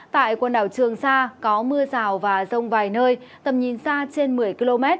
tại quần đảo trường sa có mưa rào và rông vài nơi tầm nhìn xa trên một mươi km